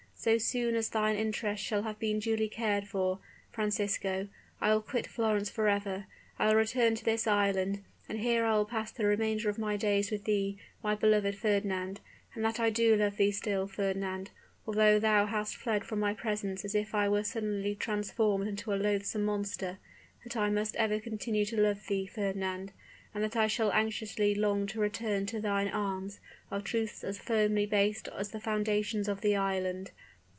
So soon as thine interests shall have been duly cared for, Francisco, I will quit Florence forever, I will return to this island, and here will I pass the remainder of my days with thee, my beloved Fernand! And that I do love thee still, Fernand, although thou hast fled from my presence as if I were suddenly transformed into a loathsome monster, that I must ever continue to love thee, Fernand, and that I shall anxiously long to return to thine arms, are truths as firmly based as the foundations of the island.